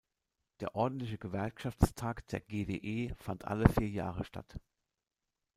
Der ordentliche Gewerkschaftstag der GdE fand alle vier Jahre statt.